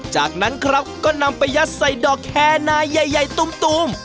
จากนั้นครับก็นำไปยัดใส่ดอกแคนาใหญ่ตูม